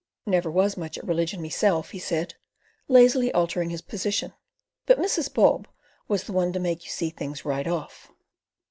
"Never was much at religion meself," he said, lazily altering his position, "but Mrs. Bob was the one to make you see things right off."